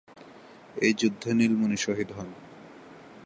এই যুদ্ধে নীলমণি শহীদ হন।